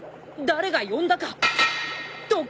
誰が呼んだか怒